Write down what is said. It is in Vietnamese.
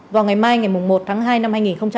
vào ngày mai ngày một tháng hai năm hai nghìn hai mươi